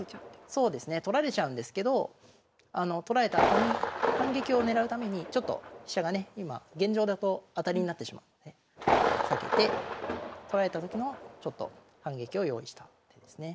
そうですね取られちゃうんですけど取られたあとに反撃を狙うためにちょっと飛車がね今現状だと当たりになってしまうので避けて取られたときの反撃を用意した手ですね。